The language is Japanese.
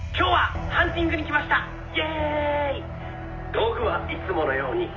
「道具はいつものようにこれだけ！」